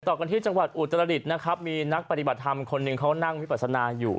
กันที่จังหวัดอุตรดิษฐ์นะครับมีนักปฏิบัติธรรมคนหนึ่งเขานั่งวิปัสนาอยู่